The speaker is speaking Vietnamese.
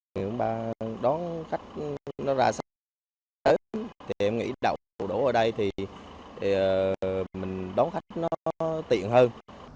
những bạn đón khách nó ra sớm thì em nghĩ đậu đổ ở đây thì mình đón khách nó tiện hơn